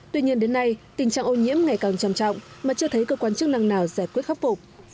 tuy nhiên đến nay tình trạng ô nhiễm ngày càng trầm trọng mà chưa thấy cơ quan chức năng nào giải quyết khắc phục